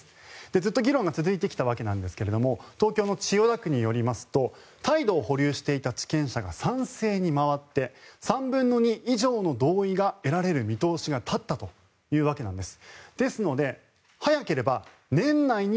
ずっと議論が続いてきたわけなんですが東京の千代田区によりますと態度を保留していた地権者が賛成に回って３分の２以上の同意が得られる見通しが立ったというわけなんです。